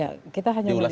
ya kita hanya melihat